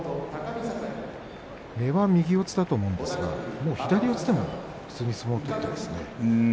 根は右四つだと思うんですが、左四つでも相撲を取ってますね。